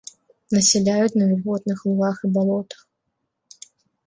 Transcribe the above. Насяляюць на вільготных лугах і балотах.